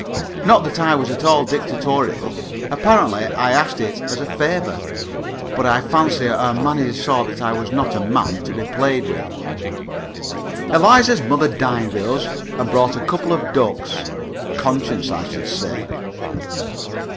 Not that I was at all dictatorial apparently I asked it as a favour. But I fancy our manager saw that I was not a man to be played with. Eliza's mother dined with us, and brought a couple of ducks. Conscience, I should say.